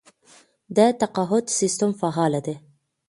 د تقاعد سیستم فعال دی؟